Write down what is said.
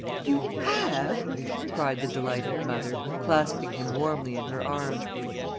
"You have?" cried the delighted mother, clasping him warmly in her arms.